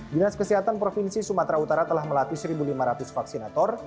dinas kesehatan provinsi sumatera utara telah melatih satu lima ratus vaksinator